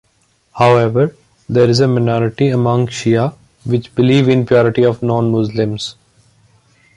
However, there is a minority among Shia which believe in purity of non-Muslims.